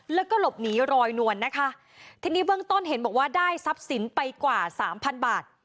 แล้วก็หลบหนีรอยนวลนะคะทีนี้เบื้องต้นเห็นบอกว่าได้ทรัพย์สินไปกว่าสามพันบาท